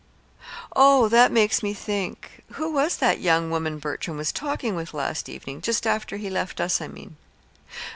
"Oh, that makes me think; who was that young woman Bertram was talking with last evening just after he left us, I mean?"